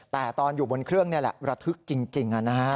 แต่ตอนอยู่บนเครื่องนี่แหละระทึกจริง